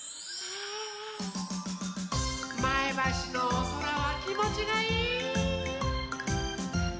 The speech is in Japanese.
前橋のおそらはきもちがいい。